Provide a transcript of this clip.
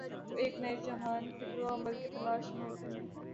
وہ ایک نئے جہان فکر و عمل کی تلاش میں ہوتے ہیں۔